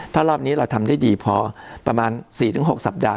ถ้ารอบนี้เราทำได้ดีพอประมาณ๔๖สัปดาห